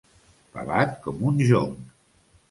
Pelat com un jonc.